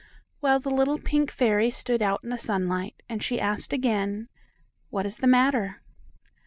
Well, the little pink fairy stood out in the sunlight, and she asked again: "What is the matter?"